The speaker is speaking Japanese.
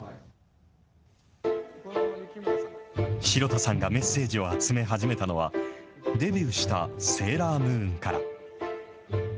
城田さんがメッセージを集め始めたのは、デビューしたセーラームーンから。